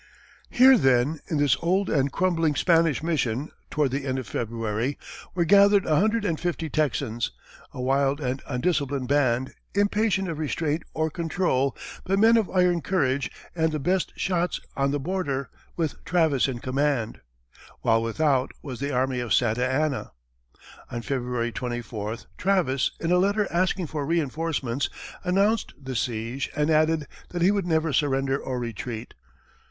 Here, then, in this old and crumbling Spanish mission, toward the end of February, were gathered a hundred and fifty Texans, a wild and undisciplined band, impatient of restraint or control, but men of iron courage and the best shots on the border, with Travis in command; while without was the army of Santa Anna. On February 24th, Travis, in a letter asking for reinforcements, announced the siege and added that he would never surrender or retreat.